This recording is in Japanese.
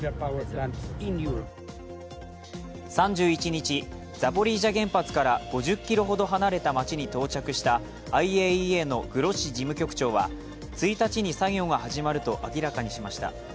３１日、ザポリージャ原発から５０ｋｍほど離れた街に到着したＩＡＥＡのグロッシ事務局長は１日に作業が始まると明らかにしました。